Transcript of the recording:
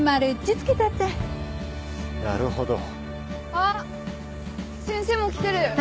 あっ先生も来てる。